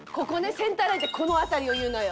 センターラインってこの辺りを言うのよ。